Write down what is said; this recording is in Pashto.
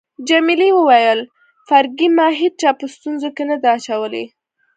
جميلې وويل: فرګي، ما هیچا په ستونزو کي نه ده اچولی.